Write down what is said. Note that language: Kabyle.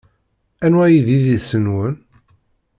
Anwa ay d idis-nwen?